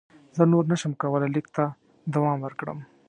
زه نور نه شم کولای لیک ته دوام ورکړم.